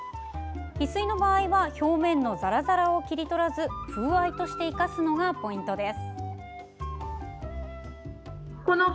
ヒスイの場合は表面のザラザラを切り取らず風合いとして生かすのがポイントです。